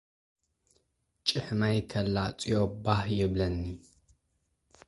ጭሕመይ ክላጽዮ ባህ ይብለኒ።